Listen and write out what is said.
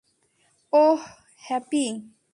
ওহ, happy.